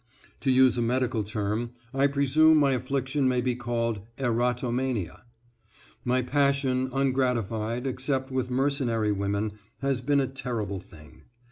To use a medical term, I presume my affliction may be called erotomania. My passion, ungratified, except with mercenary women, has been a terrible thing.